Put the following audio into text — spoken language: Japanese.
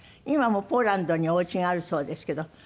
今もポーランドにお家があるそうですけど。